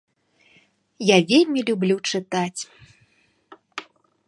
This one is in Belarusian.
Я вельмі люблю чытаць!